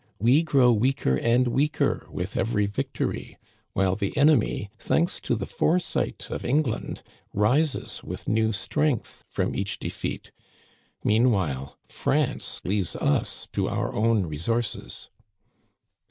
We grow weaker and weaker with every victory, while the enemy, thanks to the foresight of England, rises with new strength from each defeat ; meanwhile, France leaves us to our own resources."